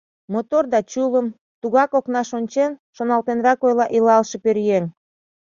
— Мотор да чулым, — тугак окнаш ончен, шоналтенрак ойла илалше пӧръеҥ.